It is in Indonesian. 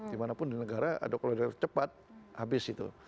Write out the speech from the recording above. dimanapun di negara ada kalau ada kereta cepat habis itu